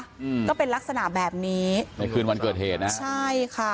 อืมก็เป็นลักษณะแบบนี้ในคืนวันเกิดเหตุนะใช่ค่ะ